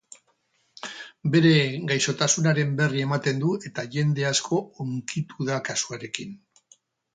Bere gaixotasunaren berri ematen du eta jende asko hunkitu da kasuarekin.